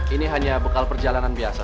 ini hanya bekal perjalanan biasa